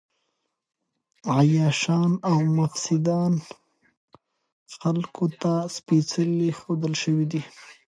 عياشان او مفسدان خلکو ته سپېڅلي ښودل شوي دي.